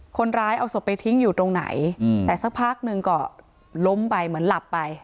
คนร้ายเอาศพไปทิ้งอยู่ตรงไหนแต่สักพักหนึ่งก็ล้มไปเหมือนหลับไป